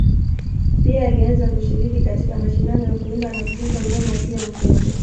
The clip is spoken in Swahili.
Pia alianza kushiriki katika mashindano ya kuimba na kucheza ngoma akiwa mtoto.